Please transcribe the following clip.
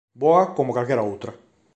Boa como calquera outra.